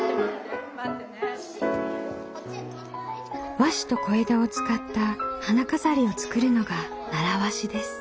和紙と小枝を使った花飾りを作るのが習わしです。